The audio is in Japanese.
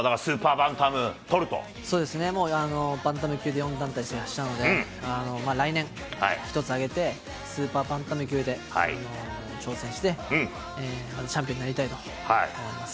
バンタム級で４団体制覇したので、来年、１つ上げて、スーパーバンタム級で挑戦して、チャンピオンになりたいと思います。